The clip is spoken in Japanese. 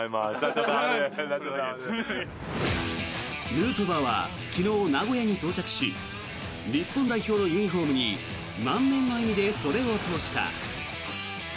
ヌートバーは昨日、名古屋に到着し日本代表のユニホームに満面の笑みで袖を通した。